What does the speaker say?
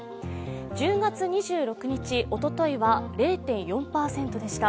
１０月２６日おとといは０．４％でした。